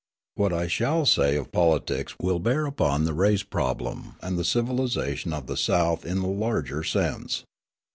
What I shall say of politics will bear upon the race problem and the civilisation of the South in the larger sense.